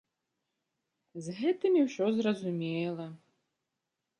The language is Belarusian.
З гэтымі ўсё зразумела.